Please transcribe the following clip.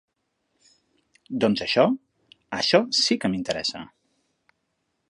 Doncs això, això sí que m'interessa.